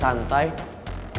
sampai ketemu lagi